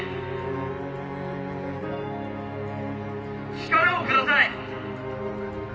力をください。